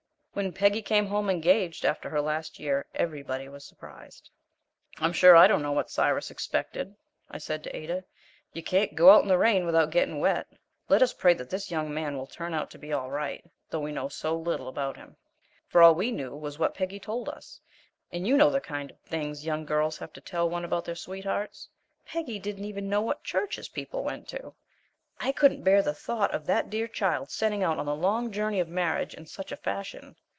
When Peggy came home engaged, after her last year, everybody was surprised. "I'm sure I don't know what Cyrus expected," I said to Ada. "You can't go out in the rain without getting wet. Let us pray that this young man will turn out to be all right, though we know so little about him." For all we knew was what Peggy told us, and you know the kind of things young girls have to tell one about their sweethearts. Peggy didn't even know what church his people went to! I couldn't bear the thought of that dear child setting out on the long journey of marriage in such a fashion.